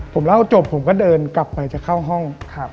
ผมเล่าจบผมก็เดินกลับไปจะเข้าห้อง